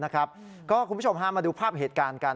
คุณผู้ชมพามาดูภาพเหตุการณ์กัน